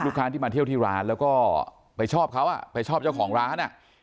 ที่มาเที่ยวที่ร้านแล้วก็ไปชอบเขาอ่ะไปชอบเจ้าของร้านอ่ะ